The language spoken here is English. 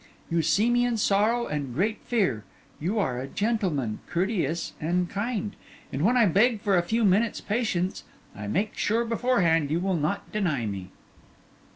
You see me in sorrow and great fear; you are a gentleman, courteous and kind: and when I beg for a few minutes' patience, I make sure beforehand you will not deny me.